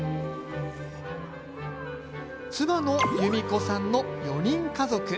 妻の由美子さんの、４人家族。